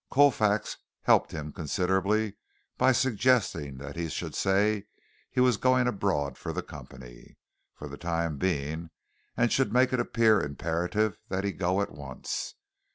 Colfax helped him considerably by suggesting that he should say he was going abroad for the company, for the time being, and should make it appear imperative that he go at once.